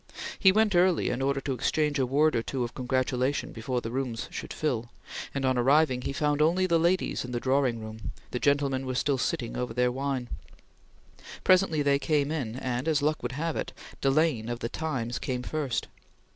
He went early in order to exchange a word or two of congratulation before the rooms should fill, and on arriving he found only the ladies in the drawing room; the gentlemen were still sitting over their wine. Presently they came in, and, as luck would have it, Delane of the Times came first.